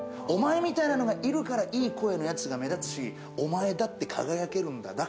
お前みたいなのがいるから、いい声のやつが目立つし、お前だって輝けるんだ。